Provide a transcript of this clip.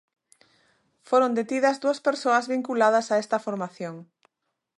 Foron detidas dúas persoas vinculadas a esta formación.